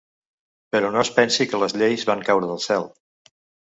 Però no es pensi que les lleis van caure del cel.